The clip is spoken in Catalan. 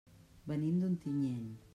Venim d'Ontinyent.